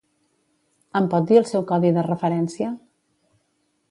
Em pot dir el seu codi de referència?